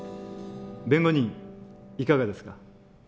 弁護人いかがですか？